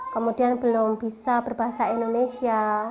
kemudian belum bisa berbahasa indonesia